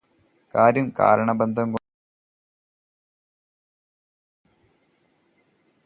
കാര്യ-കാരണബന്ധംകൊണ്ട് പ്രപഞ്ചത്തിലുള്ള എല്ലാ ബന്ധങ്ങളും വിവരിക്കപ്പെടുകയില്ല.